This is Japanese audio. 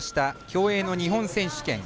競泳の日本選手権。